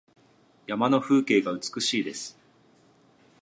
山の風景が美しいです。